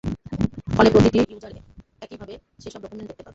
ফলে প্রতিটি ইউজার একইভাবে সেসব ডকুমেন্ট দেখতে পাবে।